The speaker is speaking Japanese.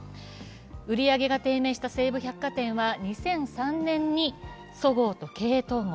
売り上げが低迷した西武百貨店は２００３年にそごうと経営統合。